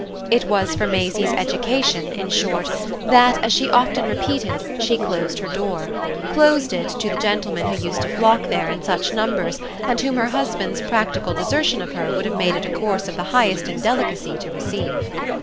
It was for Maisie's education in short that, as she often repeated, she closed her door closed it to the gentlemen who used to flock there in such numbers and whom her husband's practical desertion of her would have made it a course of the highest indelicacy to receive.